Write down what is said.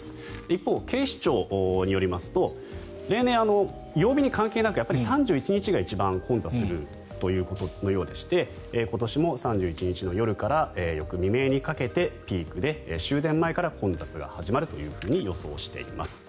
一方、警視庁によりますと例年、曜日に関係なく３１日が一番混雑するということのようで今年も３１日の夜から翌未明にかけてピークで終電前から混雑が始まると予想されています。